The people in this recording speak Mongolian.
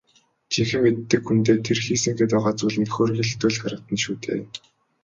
Жинхэнэ мэддэг хүндээ тэр хийсэн гээд байгаа зүйл нь хөөрхийлөлтэй л харагдана шүү дээ.